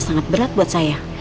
sangat berat buat saya